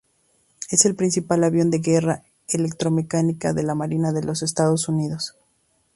Es el principal avión de guerra electrónica de la Marina de los Estados Unidos.